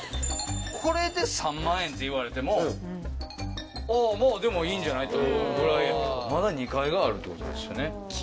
これで３万円っていわれてもまぁでもいいんじゃないって思うぐらいやけどまだ２階があるってことですよね。